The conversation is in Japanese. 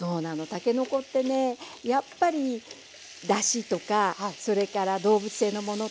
たけのこってねやっぱりだしとかそれから動物性のものとかうまみのものがね